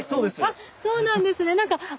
あそうなんですね。